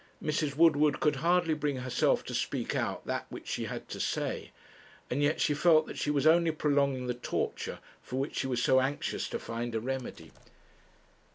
Mrs. Woodward could hardly bring herself to speak out that which she had to say, and yet she felt that she was only prolonging the torture for which she was so anxious to find a remedy.